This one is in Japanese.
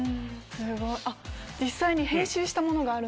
すごい。